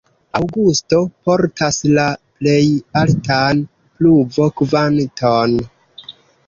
Aŭgusto portas la plej altan pluvo-kvanton.